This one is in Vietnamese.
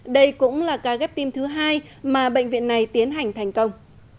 đây cũng là ca ghép tim thứ hai mà bệnh viện này tiến hành thành công